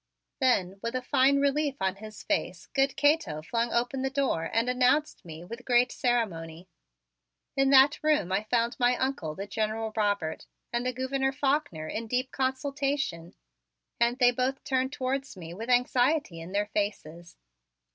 Then, with a fine relief on his face, good Cato flung open the door and announced me with great ceremony. In that room I found my Uncle, the General Robert, and the Gouverneur Faulkner in deep consultation and they both turned towards me with anxiety in their faces.